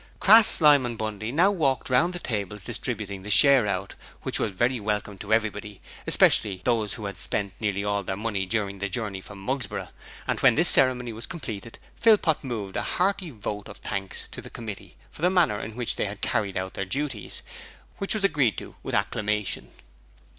Crass, Slyme and Bundy now walked round the tables distributing the share out, which was very welcome to everybody, especially those who had spent nearly all their money during the journey from Mugsborough, and when this ceremony was completed, Philpot moved a hearty vote of thanks to the committee for the manner in which they had carried out their duties, which was agreed to with acclamation.